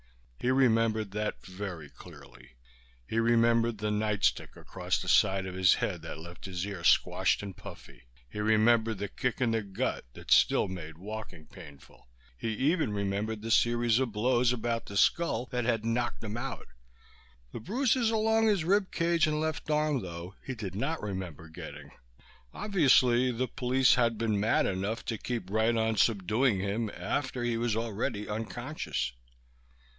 He remembered that very clearly. He remembered the nightstick across the side of his head that left his ear squashed and puffy, he remembered the kick in the gut that still made walking painful. He even remembered the series of blows about the skull that had knocked him out. The bruises along his rib cage and left arm, though, he did not remember getting. Obviously the police had been mad enough to keep right on subduing him after he was already unconscious.